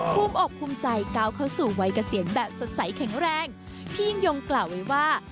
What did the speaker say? ภูมิอกภูมิใจก้าวเข้าสู่วัยเกษียณแบบสดใสแข็งแรงพี่ยิ่งยงกล่าวไว้ว่า